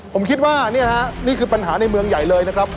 ผมคิดว่านี่นะฮะนี่คือปัญหาในเมืองใหญ่เลยนะครับ